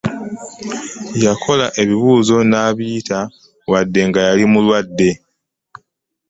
Yakola ebibuuzo n'abyiyita wadde nga yali mulwadde.